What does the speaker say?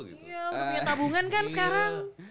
iya untuk punya tabungan kan sekarang